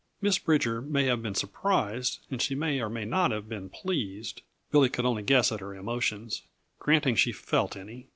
Miss Bridger may have been surprised, and she may or may not have been pleased; Billy could only guess at her emotions granting she felt any.